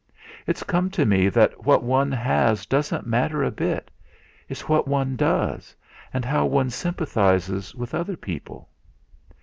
It's come to me that what one has doesn't matter a bit it's what one does, and how one sympathises with other people.